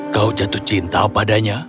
kau jatuh cinta padanya